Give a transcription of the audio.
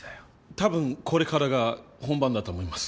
たぶんこれからが本番だと思います。